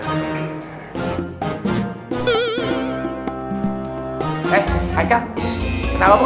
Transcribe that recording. hei haikal kenapa bro